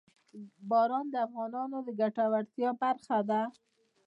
باران د افغانانو د ګټورتیا برخه ده.